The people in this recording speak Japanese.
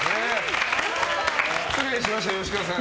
失礼しました、吉川さん。